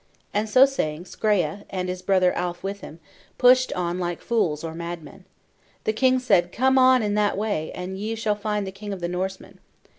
And so saying, Skreya, and his brother Alf with him, pushed on like fools or madmen. The king said, 'Come on in that way, and you shall find the king of the Norsemen.'"